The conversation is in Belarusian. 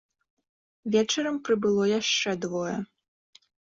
Вечарам прыбыло яшчэ двое.